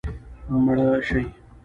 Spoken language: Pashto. مړه شي